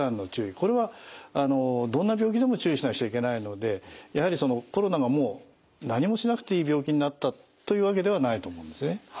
これはどんな病気でも注意しなくちゃいけないのでやはりコロナがもう何もしなくていい病気になったというわけではないと思うんですね。